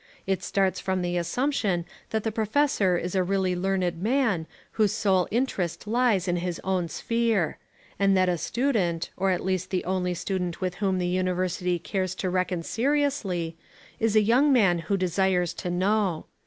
It starts from the assumption that the professor is a really learned man whose sole interest lies in his own sphere: and that a student, or at least the only student with whom the university cares to reckon seriously, is a young man who desires to know.